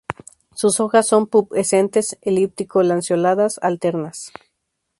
Sus hojas son pubescentes, elíptico-lanceoladas, alternas.